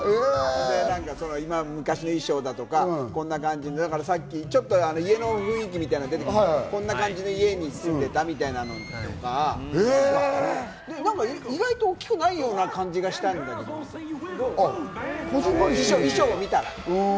昔の衣装とか、こんな感じのさっき家の雰囲気みたいなの出てきたけど、こんな感じの家に住んでたみたいなのとか、意外と大きくないような感じがしたんだけど、衣装を見たら。